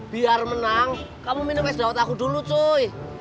biar menang kamu minum es dawet aku dulu cuy